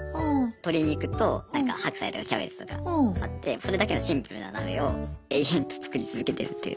鶏肉となんか白菜とかキャベツとか買ってそれだけのシンプルな鍋を延々作り続けてるという。